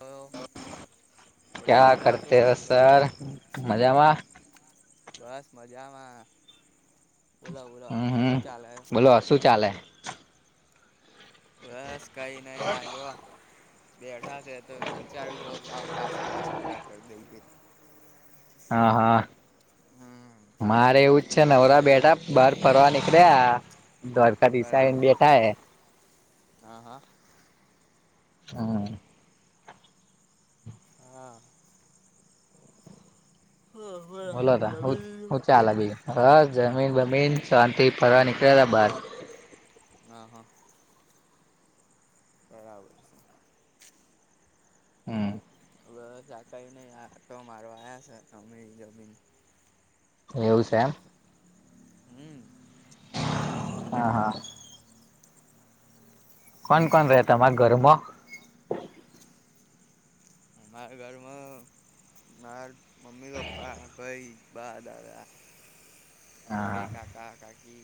Hello બોલો ક્યા બોલો શું કરતે હો કરોશો? સર મજામાં બસ મજામાં બોલો બોલો હમ હમ શું ચાલે બોલો શું ચાલે બસ કઈ નહી આ જો બેઠા છે તો વિચારું જો લાવો ટાસસ્ક બાસક પૂરા કર દઈએ હા હા હમ મારે એવું જ છે નવરા બેટા બાર ફરવા નીકળ્યા દ્વારકા દિશા એ બરાબર બેઠા હ હા હા હા હા હા બોલો બોલોતા હું જમી લીધું? હું ચાલે બીજુ બસ જમીન બમીન શાંતિ ફરવા નીકળ્યા હતા બાર હ હા કર આવે હમ છે બસ આ કઈ નઈ આટો મારવા આવ્યા છે તમે જમીન એવું છે એમ હમ હા હા કોણ કોણ રહ તમારા ઘરમાં અમારા ઘરમાં મા મમ્મી પપા ભઇ બા, દાદા હા જોડે હા કાકા કાકી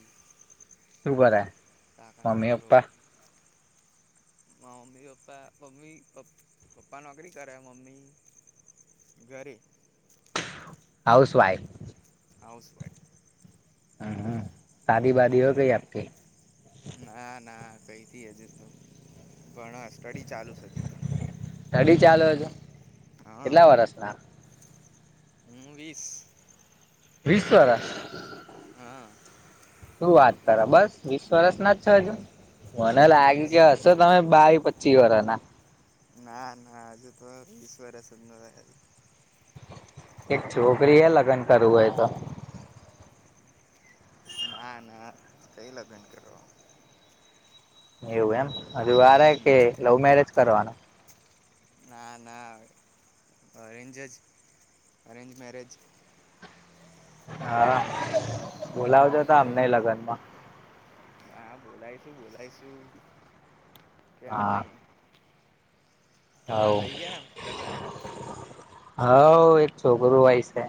શું બરા કાકાનો છોક્રો મા મમ્મી પપ્પા મમ્મી પપ્પા નોકરી કરે મમ્મી ઘરે હાઉસ વાઇફ હાઉસ વઇફ હમ હમ શાદી વાદી હો ગઈ આપકી ના ના કઈ હજુ તો ભણ સ્ટડી ચાલુ હજુ તો. સ્ટડી ચાલે છે. હા કેટલા વર્ષના? હું વીસ. વિશ વરસ? હા શું વાત કરા બસ વીસ વર્ષ ના જ છો હજુ? મને હા લાગ્યું વીસ કે હશે તમે બાવી પચ્ચી વરના. ના ના હજુ તો વીસ વર્ષ અશ નો હોય. એક છોકરી હૈ લગન કરું હોય તો. નાના કઈ લગન કરવા. એવું એમ હજુ વારે હમ કે લવ મેરેજ કરવાના? ના ના અરેન્જેજ અરેન્જ મેરેજ હા. હમ્મ, બોલાવજો તો તમમ અમને લગ્નમાં હા, બોલાયશું બોલાયશું કેમ હા નહી. તમારે થઇ ગયા લગ્ન? હઉ એક છોકરું હોય છે.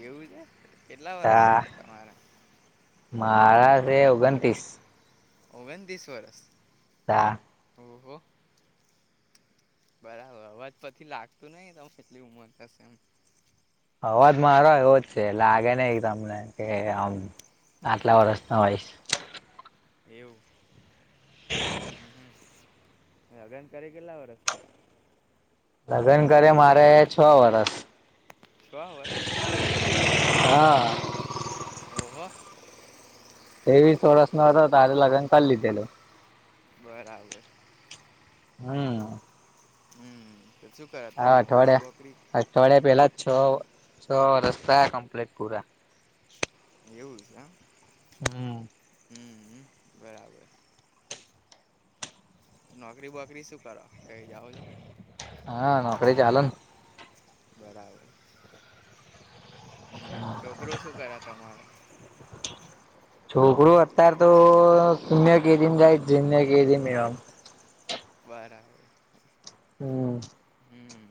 એવું છે કેટલા વર્ષ તા છે તમારા? મારા છે ઓગણતીસ. ઓવેન તીસ વરસ? દા. ઓહો. બરાબર અવાજ પછી લાગતું નઈ તમે એટલી ઉંમર થશે એમ. અવાજ મારો એવો જ છે લાગે નહીં તમને કે આમ આટલા વર્ષનો હોયસ. એવું. હમ [inaudible] હમ લગ્ન કરે કેટલા વરસ તિયાં લગ્ન કરે મારે છ વરષ શહ વરસ હા ઓહો એવીસ વર્ષ નો હતો તારે લગ્ન કરી લીધેલું બરાબર હમ્મ હમ્મ હા અઠવાડિયા અઠવાડિયા પેલા છ છ રસ્તા કમ્પ્લીટ પૂરા એવું છે. હમ્મ હમ બરાબર નોકરી બોકરી શું કરો કઈ જાઓ છો હા નોકરી ચ હાલ ને બરાબર હમ છોકરોું શું કરે તમારો છોકરો અત્યાર તો સિનિયર કેજી ને જુનિયર કેજી એમ બરાબર. હમ્મ. હમ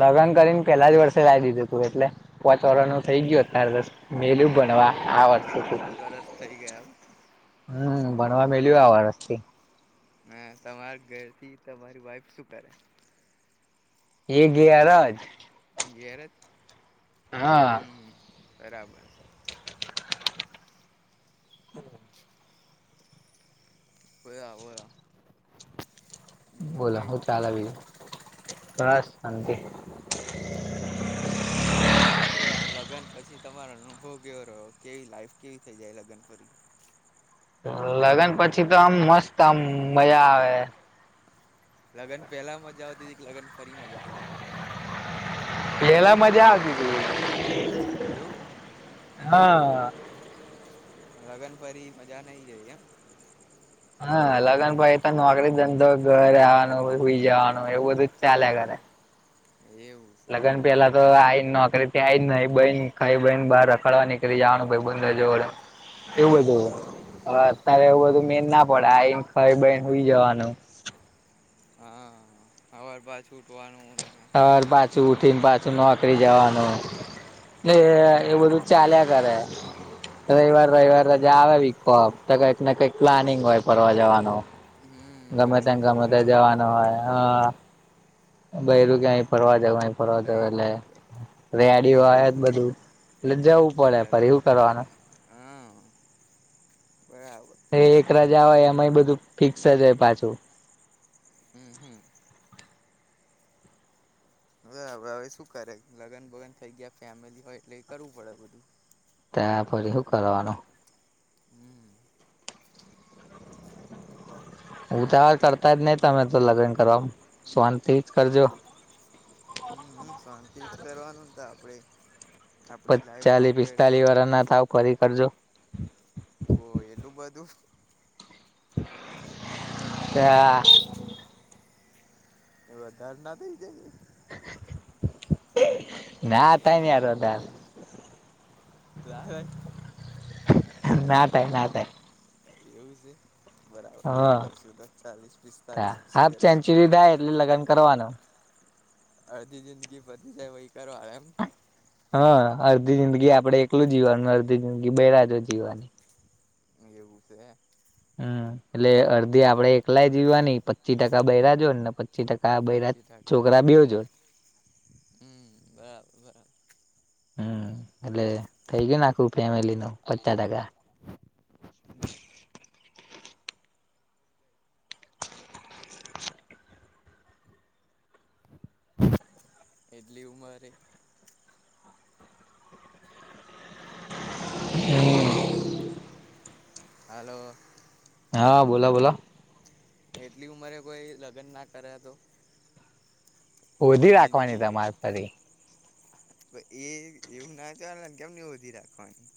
લગ્ન કરીને પેલા જ વર્ષે લાવ દીધું તું એટલે પોચ વાર નું થઈ ગયું અત્યારે તો. મેલું ભણવા એવું છે આ વર્ષેથી પાંચ વરસ થઈ ગયા હમ એમ ભણવા મેલ કે આવાર છે. મેં તમારે ગઈ હતી તમારી વાઇફ શું કરે એ ગયારજ ઘેરે જ હા. હમ બરાબર. હમ હોયા હોયા બોલો હું ચાાલે છે બસ શાંતિ. હમ્મ હમ્મ. હવારે કેવ આમ લગ્ન પછી તમારો અનુભવ કેવો રહ્યો કેવી લાઈફ કેવી થઈ જાય લગ્ન પછી લગ્ન પછી તો આમ મસ્ત આમ મજા આવે. લગ્ન પહેલા મજા આવતી હતી લગન ફરી મજા આવે. પેલા મજા આવતી. એવુ. હા. લગન પર મજા નહી એવું એમ હા લગન પહિ નોકરી ધંધો ઘરે આવાનો હુંઈ જવાનું એવું બધું ચાલ્યા કરે એવું. છે એમ લગન પેલા આઈને નોકરી થી આઈ નઈ બઈ ખાઈ બઈ ને બહાર રખડવા નીકળી જવાનું ભાઈબંધો જોડે. એવું હા બધું હા હવે અત્યારે એવું બધું મેન ના પડે આ એ ખાઈ બઈને હુઈ જવાનું હા હવાર પાછું ઊઠવાનું ને સવારે પાછું નોકરી ઉઠીને પાછું નોકરી જવાનું એ બધું બરાબર ચાલ્યા કરે. રવિવાર રવિવાર રજા આવે વિકપ તો કંઈકને કંઈક પ્લાનિંગ હોય ફરવા જવાનું. હમ ગમે બધી ત્યા ગમે ત છોકરા જવાનું એટલે હોય હ. બૈરું ક્યા ફરવા જવ અ ફરવા જવ તઈ એટલે કરવા જતા રેડી લઈ હોય જ જવું આ પડે બધું. એટલે જવું શું પડે કરે પણ એવું કરવાનું હા બરાબર. એ એક રજા હોય એમાંય બધું ફિક્સ જ હોય પાછું. હમ્મ હમ્મ. હવે હવે શું કરે લગન ભગન થઈ ગયા ફેમિલી હોય એટલે કરવું પડે બધું. ત્યા પછી શું કરવાનું. ઉતાવળ કરતા જ નહી તમે તો લગ્ન કરવાનું શોંતથી જ કરજો. હમ્મ શાંતિ જ કરવાનું ત આપડે. આપડી લાઈફ પચાલીસ કમ્પ્લીટ પિસ્તાલીસ વાર ના થાવ પહિ કરજો. હો એલું બધું. [inaudible] વધાર ના થઈ જાય. ના [unintelligible] [unintelligible] ના થાય ના હા થાય હા એવું છે. બરાબર એવું હા કરશું દસ ચાલીસ પિસ્તાલીસ પસી હાફ કરશું. [unintelligible] એટલે લગન કરવાનું. અડધી જિંદગી બધી જાય વહી કરવાનું એમ હા અડધી જિંદગી આપડણે એકલું જીવાનું અડધી જિંદગી બેરાજો જીવવાની એવું છે હમ એટલે અડધી આપડે એકલાય જીવાની પચી ટકા બરાજો ને પી ટકા બેરા પચી છોકરા બે જોડ હમ્મ બરાબર બર હમ એટલે થઇ ગયું નાખું ફેમલી નું પચાસ ટકા એડલી ઉમરે હમ્મ. હલો. હા, બોલો બોલો. એટલી ઉંમરે કોઈ લગ્ન ના કરે તો હોદી આખી રાખવાની જિંદગી તમારે ફરી. એ એવું ના તો ચાલે ને કેમને હોદી રાખવાની.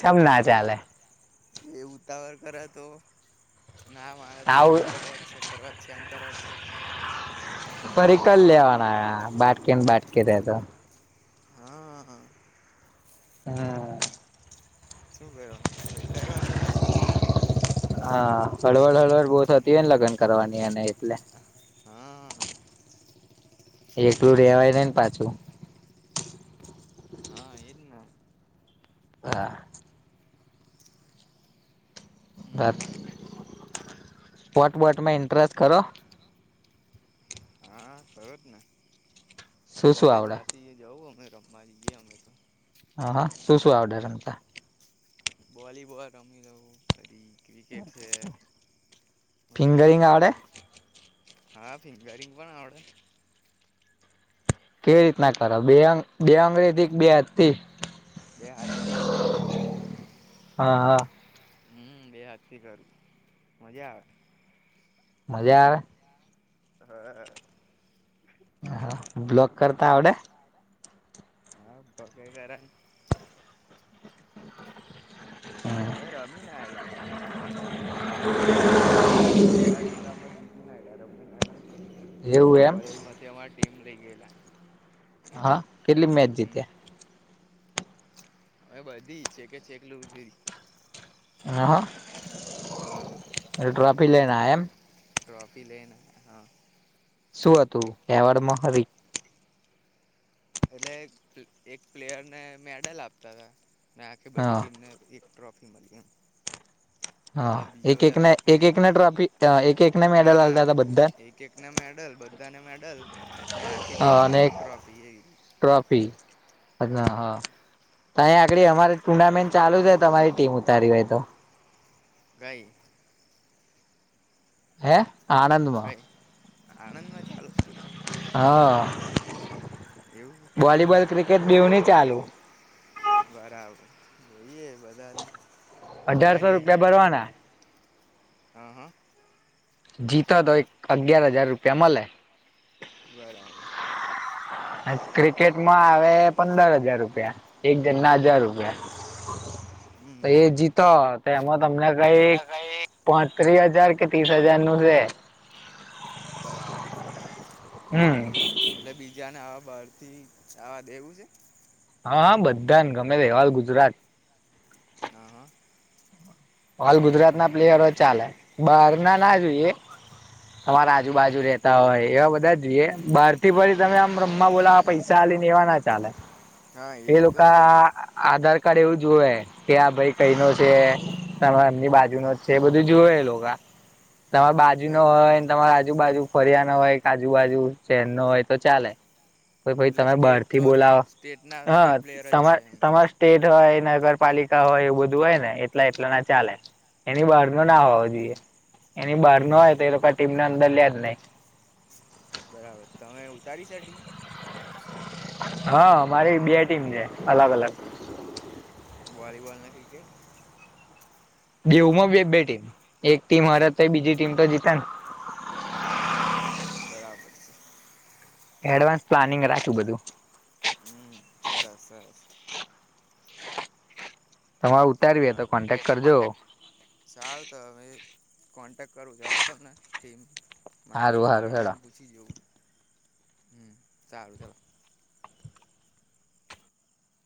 ચેમ ના ચાલે. એ ઉતાવર કરે તો ના મારે તો આવું લગ્ન કરવા જ છે કરવા છે એમ કરે તો. ફરી કર લેવાના બાટકી ને બાટકી રેતો. હા, હા. હમ્મ. શું કરવાનો છો ભાઈ કરવા પડે ને. હા, હળવળ હળવડ બહુ થતી હોય ને લગ્ન કરવાની અને એટલે. હા, હા. એકલું રેવાય નઈ ને પાછું. હા, એજ ને. હા. બાત હમ વોટ બોટમાં ઇન્ટરેસ્ટ ખરો? ખરોજ ને. શું શું આવડે કોલેજમાંથી જઉં અમે રમવા જઈએ અમે તો. હા હા શું શું આવડે રમતા? વોલીબોલ રમી લવું. પછી ક્રિકેટ છે પછી ફિંગરિંગ આવડે હા, ફિંગરિંગ પણ આવડે. કેવી કમ્પ્લેટ રીતના કરો બે બનાવો બે અંગ્રેજી કે બે હતી. બે હથી. હા હા. હમ બે હજ કરું મજા આવે. મજા આવે? હા. હ બ્લોક કરતા આવડે? હા બ ક કરને. અમે રમી ના એ, લાઈ બાકરો લમવા ગયેલા ખેડા જિલ્લામાં જીતીમ એવું એમ કોલેજ માંથી અમા ટીમ લઇ ગયેલા. હા કેટલી મેચ જીતે? હમ હવે બધી છેેકે ચેકલધધી. એ હ. હા. ટ્રોફી લેના એમ. ટ્રોફી લેના હા. શું હતું એવાડમાં? એટલે એક પ્લેયરને મેડલ આપતા હતા, ને આખી બધી હા ટીમને એક ટ્રોફી મળી એમ. હા બધા બીજા એક બધા એકના એક પ્લેયરો એકના ટ્રોફી એક એકના ના મેડલ ના હાલતા હતા બધા. એક ને મેડલ બધા ને મેડલ. ને આખી હા ટીમની એક અનેક ટ્રોફી એવી ટ્રોફી હમ હા. અહીં આગળડી અમારે ટુર્નામેન્ટ ચાલુ જ તમારી ટીમ ઉતારી હોય તો. કંઈ હે ક‌ઇ આણંદમાં આણંદમાં ચાલું છે ટુર્નામેન્ટ. હા એવું વોલીબોલ ક્રિકેટ બેુંહીં ન‌ઇ ચાલું. બરાબર જોઈએ બધાને. અઢારસો ઉતારીએ રૂપિયા ભરવાના. હા હા જીતો તો એક અગિયાર હજાર રૂપિયા મલે. બરાબર ક્રિકેટમાં આવે પંદર હજાર રૂપિયા એક જણ ના હજાર રૂપિયા. હમ તો એ હમ જીતો તો એમાં તમને કઈ પાંત્રીસ હજાર કે ત્રીસ હજાર નું છે. બરાબર છે. હમ એટલે બીજાને આ બાર થી આવા દેવું છે. હા હા બધા ને ગમે ર ઓલ ગુજરાત. હા હા ઓલ બરાબર ગુજરાત ના બરાબર પ્લેયરો ચાલે. બાર ના ના જોઈએ તમારે આજુબાજુ રેતા હોય એવા બધા જોઈએ બાર. વડી તમે આમ રમવા બોલા પૈસા આલીને દેવા ના ચાલે હા એ તો છે લોકા જ ને. આધાર કાર્ડ એવું જુવે કે આ ભાઈ કઈ ન છે. તમા એમની બાજુ નો જ છે એ બધું જોુવે લોકો આ તમારા બાજુ નો હોય તમારા આજુબાજુ ફરિયાણા હોય આજુબાજુ ચેનો હોય તો ચાલે. ભાઈ એટલે તમે બહાર થી સ્ટેટનો બોલાવો સ્ટેટના હ સ્ટેટ પ્લેયર જ છે તમારે એમ તમાર સ્ટેટ હોય નગરપાલિકા હોય એવું બધું હોય ને એટલા એટલા ના ચાલે એની બહાર નો હમ ના હોવો જોઈએ. એની બહાર નો હોય તો એ લોકો ટીમને અંદર લ્યા જ નહી. બરાબર તમે ઉતારી સેટિંગ. હા મારી બે ટીમ છે અલગ અલગ વોલીબોલને ક્રિકેટ. બેઉ માં બે બે ટીમ એક ટીમ હાર તો બીજી ટીમ તો જીતા ને. હા હા બરાબર. એડવાન્સ પ્લાનિંગ રાખું બધું. હમ સરસ સરસ. તમારે ઉતારવી બરાબર જોઇ એ કોન્ટેક્ટ તો કરજો કોન્ટેક. સારું તો હવે કોન્ટેક કરું‌ જળાઉ તમને ટીમ મારી ટીમ હારું હારું હેડો વાળા પુછી જોઉં હું સારું ચલો.